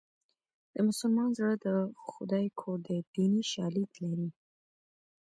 د مسلمان زړه د خدای کور دی دیني شالید لري